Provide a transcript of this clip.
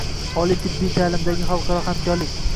Oliy tibbiy ta’limdagi xalqaro hamkorlikng